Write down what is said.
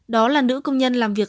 đó là nữ công nhân làm việc